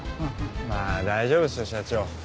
まあ大丈夫ですよ社長。